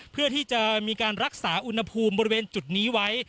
เพื่อที่จะมีการรักษาอุณหภูมิบริเวณจุดนี้ไว้